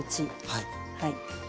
はい。